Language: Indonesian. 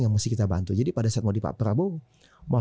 yang mesti kita bantu jadi pada saat mau di pak prabowo mau